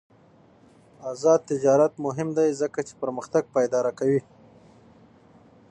آزاد تجارت مهم دی ځکه چې پرمختګ پایداره کوي.